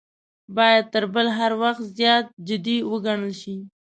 باید تر بل هر وخت زیات جدي وګڼل شي.